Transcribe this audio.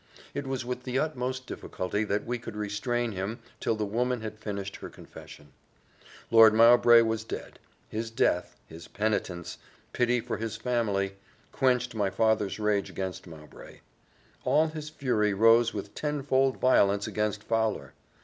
It was with the utmost difficulty that we could restrain him till the woman had finished her confession. Lord Mowbray was dead. His death his penitence pity for his family, quenched my father's rage against Mowbray; all his fury rose with tenfold violence against Fowler.